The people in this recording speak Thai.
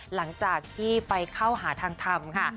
หลังจากที่ไปเข้าหาทางทำค่ะ